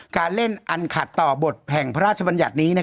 การเล่นอันขัดต่อบทแห่งพระราชบัญญัตินี้